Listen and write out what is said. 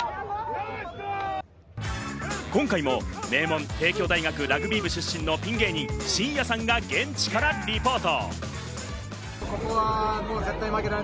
今回も、名門・帝京大学ラグビー部出身のピン芸人・しんやさんが現地からリポート。